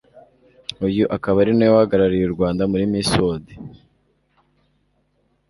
uyu akaba ari nawe wahagarariye u rwanda muri miss world